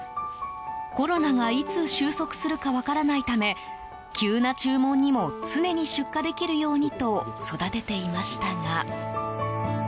コロナがいつ収束するか分からないため急な注文にも常に出荷できるようにと育てていましたが。